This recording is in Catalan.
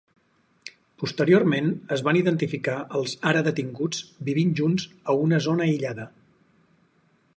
Posteriorment es van identificar els ara detinguts vivint junts a una zona aïllada.